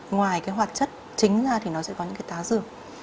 ngoài cái hoạt chất chính ra thì nó sẽ có những cái tá rừng